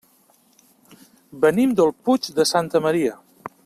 Venim del Puig de Santa Maria.